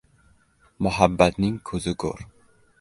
Muhabbatning ko‘zi ko‘r.